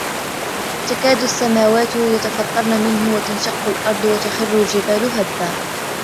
تكاد السماوات يتفطرن منه وتنشق الأرض وتخر الجبال هدا